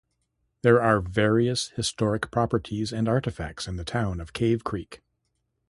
There are various historic properties and artifacts in the town of Cave Creek.